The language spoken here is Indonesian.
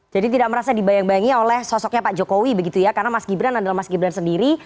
jadi tidak merasa dibayang bayangi oleh sosoknya pak jokowi begitu ya karena mas gibran adalah mas gibran sendiri